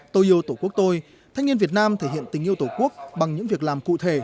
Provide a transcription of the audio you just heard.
tôi yêu tổ quốc tôi thanh niên việt nam thể hiện tình yêu tổ quốc bằng những việc làm cụ thể